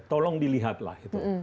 tolong dilihat lah itu